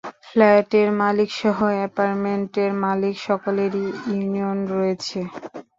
ফ্ল্যাটের মালিক সহ অ্যাপার্টমেন্টের মালিক সকলেরই ইউনিয়ন রয়েছে।